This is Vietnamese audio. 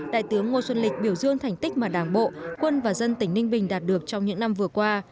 đại tướng ngô xuân lịch biểu dương thành tích mà đảng bộ quân và dân tỉnh ninh bình đạt được trong những năm vừa qua